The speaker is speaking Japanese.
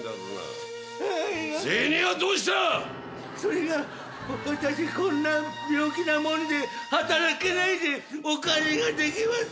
銭はどうした⁉それが私こんな病気なもんで働けないでお金ができません。